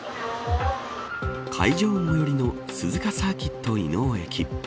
会場最寄りの鈴鹿サーキット稲生駅。